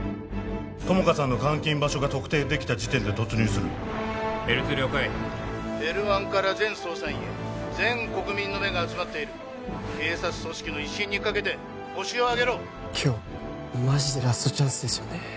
友果さんの監禁場所が特定できた時点で突入するＬ２了解Ｌ１から全捜査員へ全国民の目が集まっている警察組織の威信にかけてホシを挙げろ今日マジでラストチャンスですよね